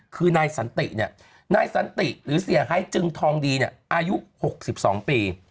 คือนายสันตินายสันติหรือเสียไฮจึงทองดีอายุ๖๒ปี